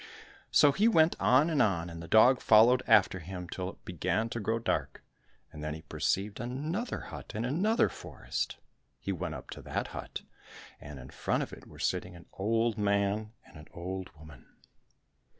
So he went on and on, and the dog followed after him till it began to grow dark, and then he perceived another hut in another forest. He went up to that hut, and in front of it were sitting an old man and an old woman.